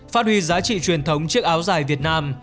phát huy giá trị truyền thống chiếc áo dài việt nam